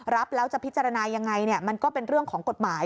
รับแล้วจะพิจารณายังไงมันก็เป็นเรื่องของกฎหมาย